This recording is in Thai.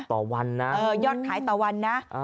ต่อวันนะยอดขายต่อวันนะ